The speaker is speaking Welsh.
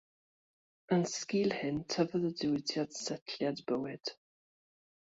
Yn sgil hyn, tyfodd y diwydiant setliad bywyd.